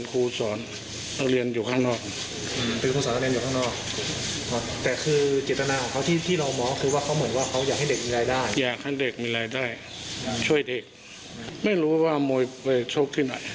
ครับ